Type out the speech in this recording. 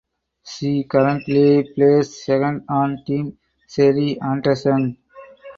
She currently plays second on Team Sherry Anderson.